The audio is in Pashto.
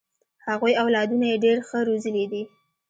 هغوی اولادونه یې ډېر ښه روزلي دي.